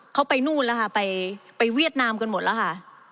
เขาไปนู่นแล้วค่ะไปเวียดนามกันหมดแล้วค่ะ